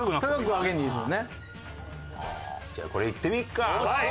ああじゃあこれいってみっか！